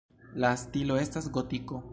La stilo estas gotiko.